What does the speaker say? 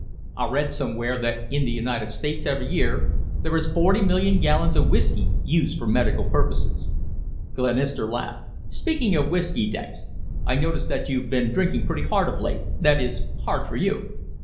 "I read somewhere that in the United States every year there is forty million gallons of whiskey used for medical purposes." Glenister laughed. "Speaking of whiskey, Dex I notice that you've been drinking pretty hard of late that is, hard for you."